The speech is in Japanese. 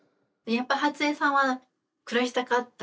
やっぱり初江さんは暮らしたかった。